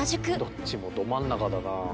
どっちもど真ん中だなあ。